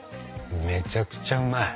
めちゃくちゃうまい！